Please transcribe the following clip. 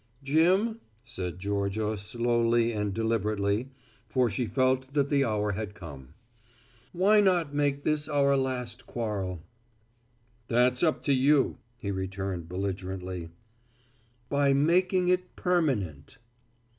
"Jim," said Georgia slowly and deliberately, for she felt that the hour had come, "why not make this our last quarrel?" "That's up to you," he returned belligerently. "By making it permanent."